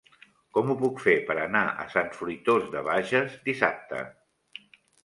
Com ho puc fer per anar a Sant Fruitós de Bages dissabte?